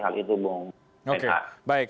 hal itu bung renhar oke baik